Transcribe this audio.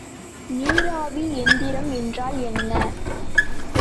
நீராவி எந்திரம் என்றால் என்ன?